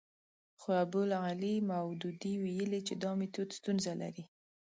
خو ابوالاعلی مودودي ویلي چې دا میتود ستونزه لري.